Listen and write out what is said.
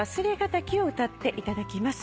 歌っていただきます。